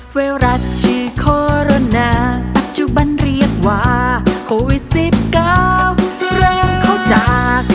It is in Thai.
เวลาที่โคโรนาปัจจุบันเรียกว่าโควิด๑๙เริ่มเข้าจาก